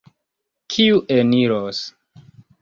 Kiu eniros?